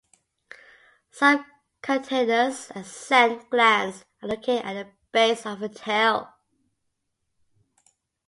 Subcutaneous and scent glands are located at the base of the tail.